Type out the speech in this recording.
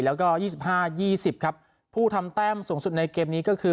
แล้วก็ยี่สิบห้ายี่สิบครับผู้ทำแต้มสูงสุดในเกมนี้ก็คือ